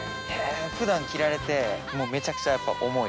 ふだん着られてめちゃくちゃやっぱ重い？